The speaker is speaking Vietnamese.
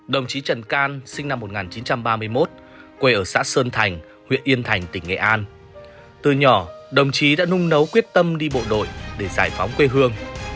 đồng chí trần can sinh năm một nghìn chín trăm ba mươi một quê ở xã sơn thành huyện yên thành tỉnh nghệ an từ nhỏ đồng chí đã nung nấu quyết tâm đi bộ đội để giải phóng quê hương